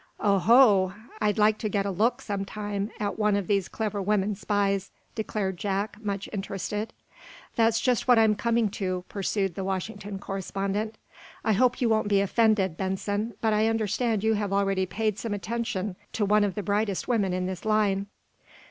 "Oho! I'd like to get a look, some time, at one of these clever women spies," declared Jack, much interested. "That's just what I'm coming to," pursued the Washington correspondent. "I hope you won't be offended, Benson, but I understand you have already paid some attention to one of the brightest women in this line."